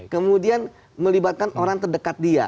kemudian melibatkan orang terdekat dia